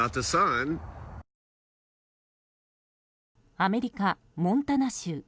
アメリカ・モンタナ州。